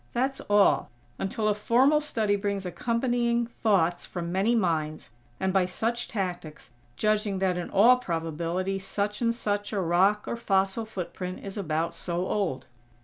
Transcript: That's all; until a formal study brings accompanying thoughts from many minds; and, by such tactics, judging that in all probability such and such a rock or fossil footprint is about so old.